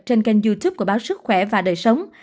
trên kênh youtube của báo sức khỏe và đời sống